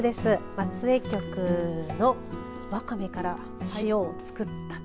松江局のわかめから塩を作ったと。